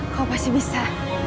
kau pasti bisa